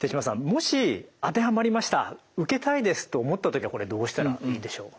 もし当てはまりました受けたいですと思った時はこれどうしたらいいでしょう？